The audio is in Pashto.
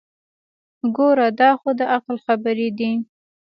ګوره دا خو دعقل خبرې دي.